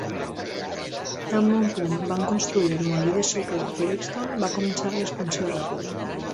Tan bon punt van construir el molí de sucre de Felixton, va començar l'expansió ràpida.